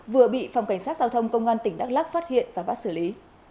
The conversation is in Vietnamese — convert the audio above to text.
vừa bị phòng cảnh sát giao thông công an tỉnh đắk lắc phát hiện và bắt xử lý